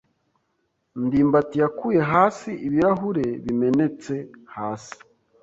ndimbati yakuye hasi ibirahure bimenetse hasi.